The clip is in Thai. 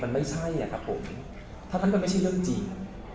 มันไม่ใช่ครับผมถ้านั้นมันไม่ใช่เรื่องจริง